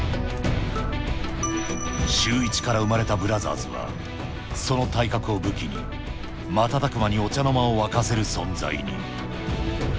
シューイチから生まれたブラザーズは、その体格を武器に、瞬く間にお茶の間を沸かせる存在に。